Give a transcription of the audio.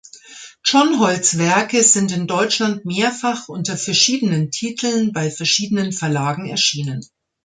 John Holts Werke sind in Deutschland mehrfach unter verschiedenen Titeln bei verschiedenen Verlagen erschienen.